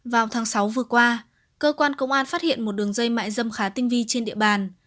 vào tháng sáu vừa qua cơ quan công an phát hiện một đường dây mại dâm khá tinh vi trên địa bàn